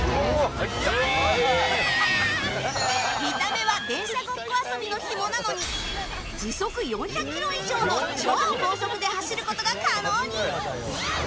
見た目は電車ごっこ遊びのひもなのに時速４００キロ以上の超高速で走ることが可能に。